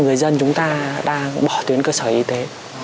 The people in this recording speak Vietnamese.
người dân chúng ta đang bỏ tuyến cơ sở y tế